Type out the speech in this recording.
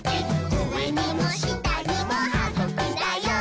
うえにもしたにもはぐきだよ！」